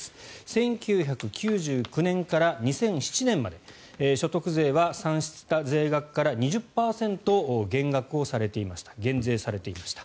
１９９９年から２００７年まで所得税は算出した税額から２０％減税されていました。